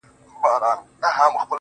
چي د صبر شراب وڅيښې ويده سه.